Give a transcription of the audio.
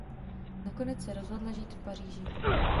Nakonec se rozhodla žít v Paříži.